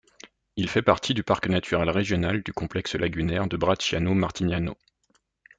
Il fait partie du parc naturel régional du complexe lagunaire de Bracciano - Martignano.